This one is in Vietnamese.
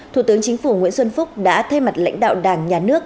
thủ tướng chính phủ nguyễn xuân phúc đã thay mặt lãnh đạo đảng nhà nước